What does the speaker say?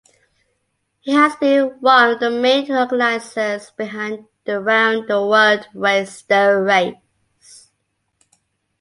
He has been one of the main organisers behind the round-the-world-race, The Race.